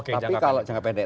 tapi kalau jangka pendek